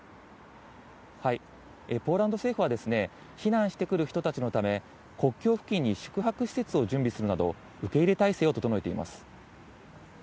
ポーランド政府は、避難してくる人たちのため、国境付近に宿泊施設を準備するなど、受け入れ態勢を整えています。